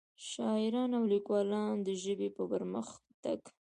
شاعران او ليکوال دَ ژبې پۀ پرمخ تګ